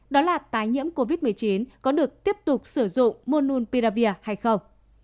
đó là tái nhiễm covid một mươi chín có được tiếp tục sử dụng mononpiravir hay không